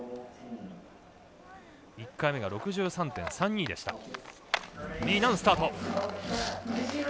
１回目が６３．３２でした。